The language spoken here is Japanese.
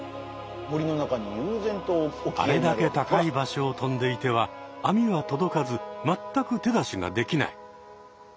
あれだけ高い場所を飛んでいてはあみは届かず全く手出しができない。